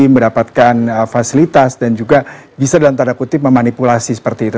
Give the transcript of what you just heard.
mendapatkan fasilitas dan juga bisa dalam tanda kutip memanipulasi seperti itu